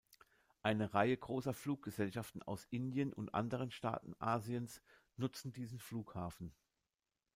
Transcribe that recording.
Eine Reihe großer Fluggesellschaften aus Indien und anderen Staaten Asiens nutzen diesen Flughafen.